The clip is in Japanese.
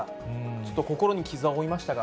ちょっと心に傷は負いましたが。